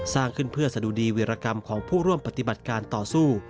สร้างขึ้นเพื่อสะดุดีวิรกรรมของผู้ร่วมปฏิบัติการต่อสู้